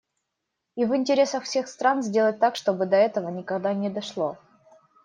И в интересах всех стран сделать так, чтобы до этого никогда не дошло.